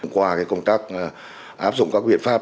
qua công tác áp dụng các biện pháp